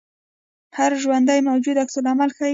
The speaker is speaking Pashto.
هر ژوندی موجود عکس العمل ښيي